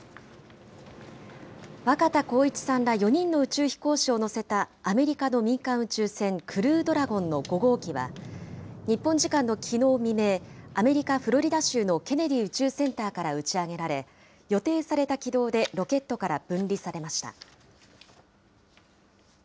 若田光一さんら４人の宇宙飛行士を乗せた、アメリカの民間宇宙船、クルードラゴンの５号機は、日本時間のきのう未明、アメリカ・フロリダ州のケネディ宇宙センターから打ち上げられ、予定された軌道でロケットから分離されました。